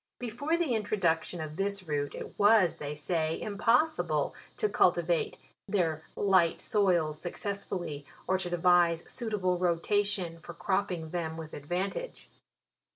Before the introduction of this root, it was, they say, impossible to cultivate their light soils suc cessfully, or to devise suitable rotation for cropping them with advantage.